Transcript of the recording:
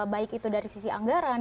baik itu dari sisi anggaran